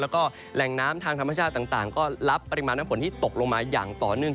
แล้วก็แหล่งน้ำทางธรรมชาติต่างก็รับปริมาณน้ำฝนที่ตกลงมาอย่างต่อเนื่อง